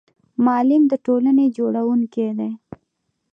معلم د ټولنې جوړونکی دی